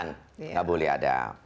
nggak boleh ada